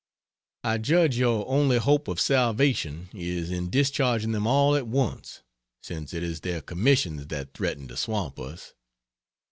I judge your only hope of salvation is in discharging them all at once, since it is their commissions that threaten to swamp us.